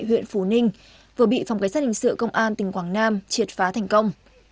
huyện phú ninh vừa bị phòng cảnh sát hình sự công an tỉnh quảng nam triệt phá thành công